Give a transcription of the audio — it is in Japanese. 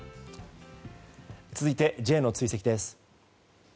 続いて、Ｊの追跡です。